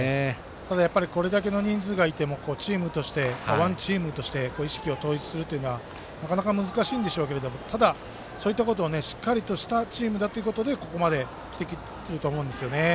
ただ、やっぱりこれだけの人数がいてもチームとして、ワンチームとして意識を統一するというのはなかなか難しいんでしょうけどただ、そういったことをしっかりとしたチームだということでここまできていると思うんですよね。